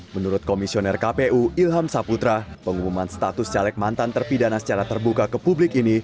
menurut komisioner kpu ilham saputra pengumuman status caleg mantan terpidana secara terbuka ke publik ini